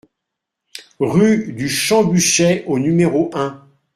Rue du Champ Buchet au numéro un